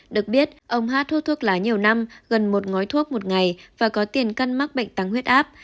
được biết ông hát thuốc lá nhiều năm gần một ngói thuốc một ngày và có tiền căn mắc bệnh tăng huyết áp